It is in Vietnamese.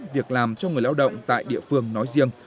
việc làm cho người lao động tại địa phương nói riêng